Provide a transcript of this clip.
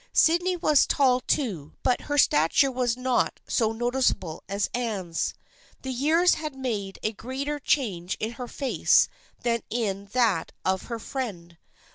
Sydney was tall too but her stature was not so noticeable as Anne's. The years had made a greater change in her face than in that of her friend.